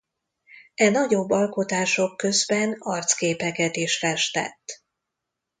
E nagyobb alkotások közben arcképeket is festett.